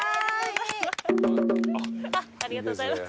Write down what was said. ありがとうございます。